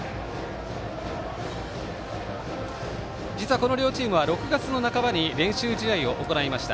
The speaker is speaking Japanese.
この両チームは６月の半ばに練習試合を行いました。